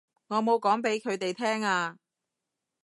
我冇講畀佢哋聽啊